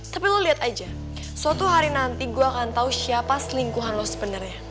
tapi lo lihat aja suatu hari nanti gue akan tahu siapa selingkuhan lo sebenarnya